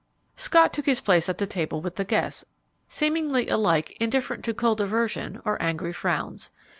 Scott took his place at the table with the guests, seemingly alike indifferent to cold aversion or angry frowns.